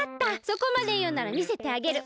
そこまでいうならみせてあげる。